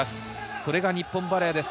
それが日本バレーです。